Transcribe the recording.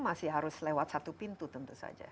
masih harus lewat satu pintu tentu saja